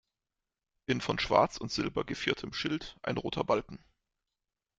In von Schwarz und Silber geviertem Schild ein roter Balken.